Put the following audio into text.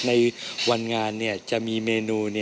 ในวันงานจะมีเมนู